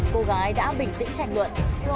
cô gái đã bình tĩnh trành luận